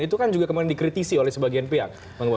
itu kan juga kemudian dikritisi oleh sebagian pihak